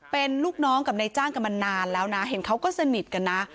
เป็นลูกน้องกับนายจ้างกันมานานแล้วนะเห็นเขาก็สนิทกันนะ